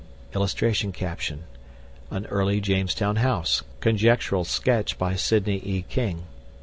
[Illustration: AN EARLY JAMESTOWN HOUSE. (Conjectural sketch by Sidney E. King.)